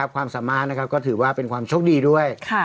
ความสามารถก็ถือว่าเป็นความโชคดีด้วย